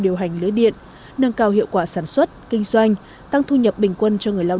điều hành lưới điện nâng cao hiệu quả sản xuất kinh doanh tăng thu nhập bình quân cho người lao